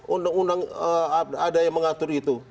undang undang ada yang mengatur itu